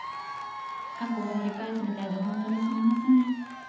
過去を掘り返すみたいでほんとにすみません。